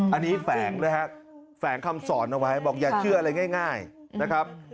อันนี้แฝงด้วยฮะแฝงคำสอนเอาไว้บอกอย่าเชื่ออะไรง่ายนะครับ